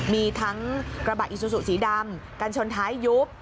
มีทั้งกระบะอิซูซูสีดำกันชนท้ายยุบ